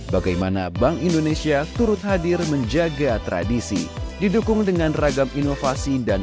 bagaimana bank indonesia turut hadir menjaga tradisi didukung dengan ragam inovasi dan